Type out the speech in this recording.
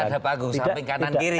kan ada panggung samping kanan kiri ya